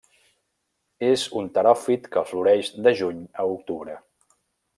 És un teròfit que floreix de juny a octubre.